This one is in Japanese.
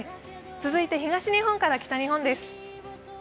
続いて東日本から北日本です。